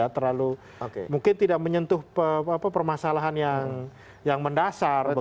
terlalu mungkin tidak menyentuh permasalahan yang mendasar